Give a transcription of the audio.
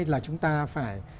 là chúng ta phải